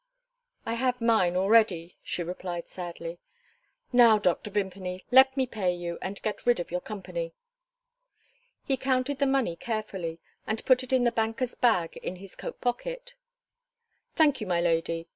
"I have mine already," she replied sadly. "Now, Dr. Vimpany, let me pay you, and get rid of your company." He counted the money carefully and put it in the banker's bag in his coat pocket. "Thank you, my lady.